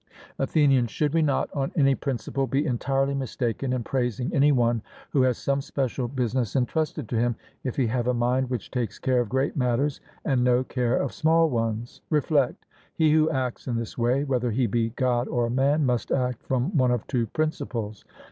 ATHENIAN: Should we not on any principle be entirely mistaken in praising any one who has some special business entrusted to him, if he have a mind which takes care of great matters and no care of small ones? Reflect; he who acts in this way, whether he be God or man, must act from one of two principles.